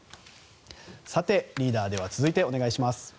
さて、リーダーでは続いてお願いします。